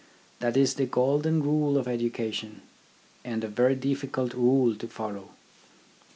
That is the golden rule of education, and a very difficult rule to follow.